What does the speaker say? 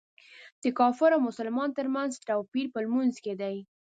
د کافر او مسلمان تر منځ توپیر په لمونځ کې دی.